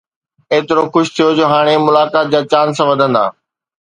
ايترو خوش ٿيو جو هاڻي ملاقات جا چانس وڌندا.